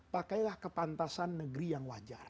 pakailah kepantasan negeri yang wajar